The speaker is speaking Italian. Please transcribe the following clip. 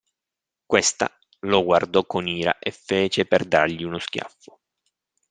Questa lo guardò con ira e fece per dargli uno schiaffo.